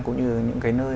cũng như những cái nơi